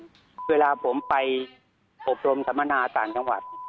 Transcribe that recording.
กับคนอื่นเวลาผมไปอบรมธรรมนาอาจารย์น้ำหวัด